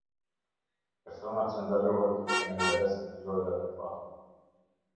Personat që ndalohet të kenë interes në lojërat e fatit.